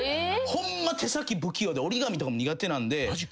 ホンマ手先不器用で折り紙とかも苦手なんで。